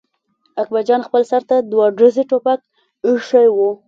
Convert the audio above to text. اکبر جان خپل سر ته دوه ډزي ټوپک اېښی و.